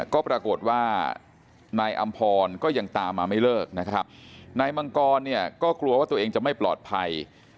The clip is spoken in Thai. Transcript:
ก็ปรากฏว่านายอำพรก็ยังตามมาไม่เลิกนะครับนายมังกรเนี่ยก็กลัวว่าตัวเองจะไม่ปลอดภัย